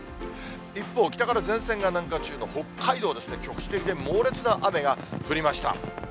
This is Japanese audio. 一方、北から前線が南下中の北海道ですね、局地的に猛烈な雨が降りました。